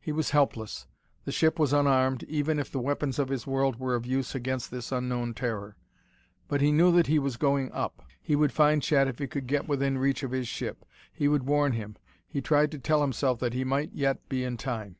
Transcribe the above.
He was helpless; the ship was unarmed, even if the weapons of his world were of use against this unknown terror; but he knew that he was going up. He would find Chet if he could get within reach of his ship; he would warn him.... He tried to tell himself that he might yet be in time.